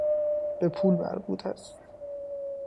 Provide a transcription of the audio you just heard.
به پول مربوط است.